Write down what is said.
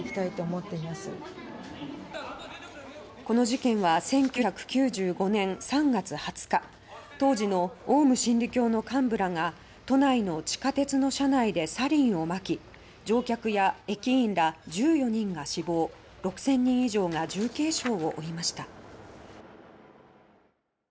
この事件は１９９５年３月２０日当時のオウム真理教の幹部らが都内の地下鉄の車内でサリンをまき乗客や駅員ら１４人が死亡６０００人以上が重軽傷を負いました。